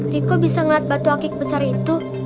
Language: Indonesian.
riko bisa melihat batu akik besar itu